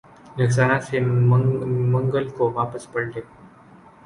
نقصانات سے منگل کو واپس پلٹے